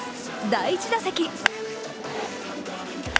第１打席。